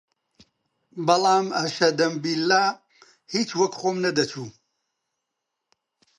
بەڵام ئەشەدەمبیللا هیچ وەک خۆم نەدەچوو